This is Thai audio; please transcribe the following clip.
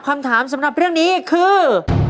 คำถามสำหรับเรื่องนี้คือ